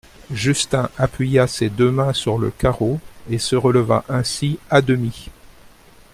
Justin appuya ses deux mains sur le carreau et se releva ainsi à demi.